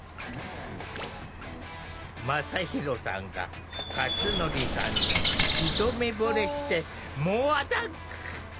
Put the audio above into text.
まさひろさんがかつのりさんに一目ぼれして猛アタック！